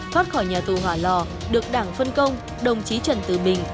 thoát khỏi nhà tù hỏa lò được đảng phân công đồng chí trần tứ bình